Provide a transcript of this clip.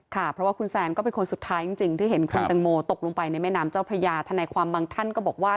ค่ะเพราะว่าคุณแซนก็เป็นคนสุดท้ายจริงที่เห็นคุณแตงโมตกลงไปในแม่น้ำเจ้าพระยาธนายความบางท่านก็บอกว่า